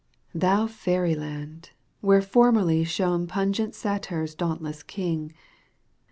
Thou fairy land !. "Where formerly Shone pungent Satire's dauntless king.